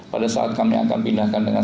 pada saat kami akan pindahkan dengan